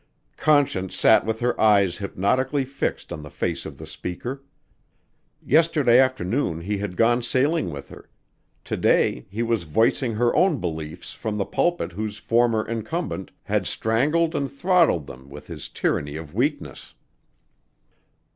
Conscience sat with her eyes hypnotically fixed on the face of the speaker. Yesterday afternoon he had gone sailing with her; to day he was voicing her own beliefs from the pulpit whose former incumbent had strangled and throttled them with his tyranny of weakness.